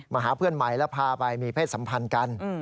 หาเพื่อนใหม่แล้วพาไปมีเพศสัมพันธ์กัน